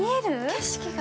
◆景色が。